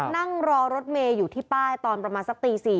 นั่งรอรถเมย์อยู่ที่ป้ายตอนประมาณสักตี๔